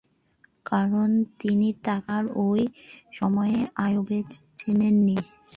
কারণ, তিনি তাঁকে তাঁর ঐ সময়ের অবয়বে চেনেননি।